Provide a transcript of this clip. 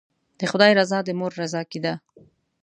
د خدای رضا د مور رضا کې ده.